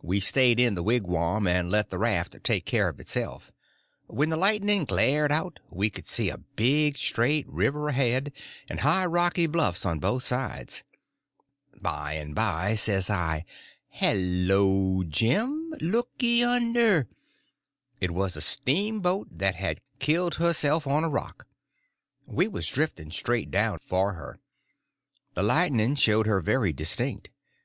We stayed in the wigwam and let the raft take care of itself. When the lightning glared out we could see a big straight river ahead, and high, rocky bluffs on both sides. By and by says I, "Hel lo, Jim, looky yonder!" It was a steamboat that had killed herself on a rock. We was drifting straight down for her. The lightning showed her very distinct.